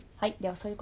はい。